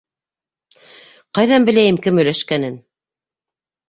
— Ҡайҙан беләйем кем өләшкәнен.